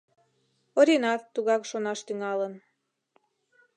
Оринат тугак шонаш тӱҥалын.